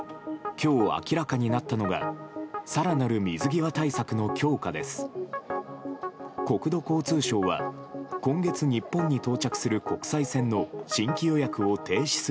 今日明らかになったのが更なる水際対策の強化です。